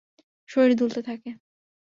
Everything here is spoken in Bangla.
শরীর দুলতে থাকে।